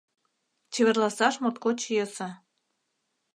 Чеверласаш моткоч йӧсӧ.